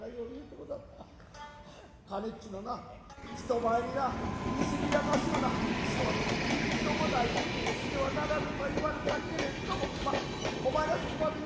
金っちゅうのな人前にな見せびらかすようなそんなみっともないことをしてはならぬと言われたけれどもまっお前がそこまで言うねやったら。